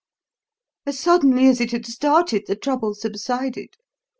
"As suddenly as it had started, the trouble subsided.